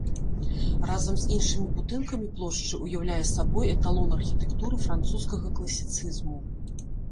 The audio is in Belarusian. Разам з іншымі будынкамі плошчы ўяўляе сабой эталон архітэктуры французскага класіцызму.